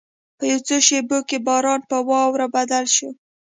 په یو څو شېبو کې باران په واوره بدل شو.